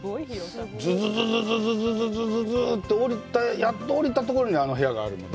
ずずずずっとやっと下りたところに、あの部屋があるんで。